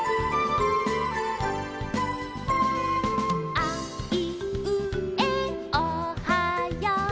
「あいうえおはよう」